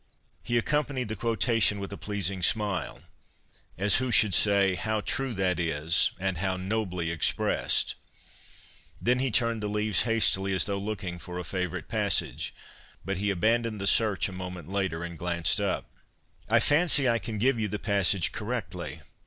' He accompanied the quotation with a pleasing smile, as who should say, ' How true that is and how nobly expressed !' Then he turned the leaves hastily as though looking for a favourite passage ; but he abandoned the search a moment later, and glanced up. ' I fancy I can give you the passage correctly.